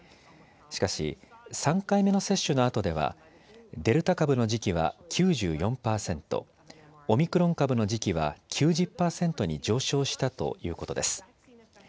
しかし３回目の接種のあとではデルタ株の時期は９４％、オミクロン株の時期は９０％に上昇したということです。